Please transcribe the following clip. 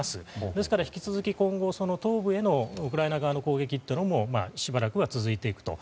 ですから、引き続き東部へのウクライナ側の攻撃もしばらくは続いていくと。